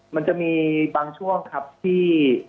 มันจะมีบางช่วงครับที่